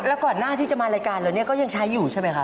แล้วก่อนหน้าที่จะมารายการเราเนี่ยก็ยังใช้อยู่ใช่ไหมคะ